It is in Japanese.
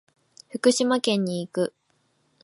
福島県に行く。